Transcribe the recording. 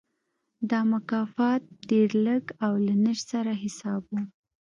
دا مکافات ډېر لږ او له نشت سره حساب و.